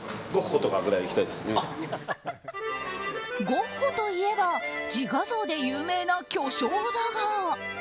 ゴッホといえば自画像で有名な巨匠だが。